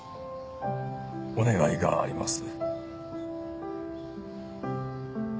お願いがあります。